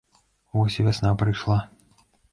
Вось і вясна прыйшла.